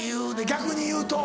逆にいうと。